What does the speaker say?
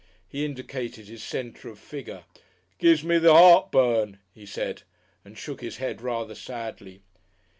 He indicated his centre of figure. "Gives me the heartburn," he said, and shook his head rather sadly.